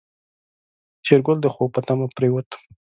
شېرګل د خوب په تمه پرېوت.